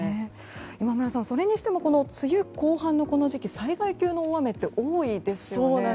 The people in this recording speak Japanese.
今村さん、それにしても梅雨後半のこの時期災害級の大雨って多いですよね。